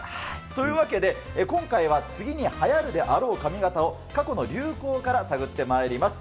というわけで、今回は次にはやるであろう髪形を、過去の流行から探ってまいります。